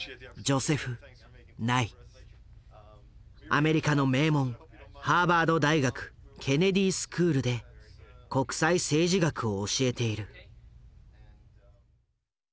アメリカの名門ハーバード大学ケネディスクールで国際政治学を教えている。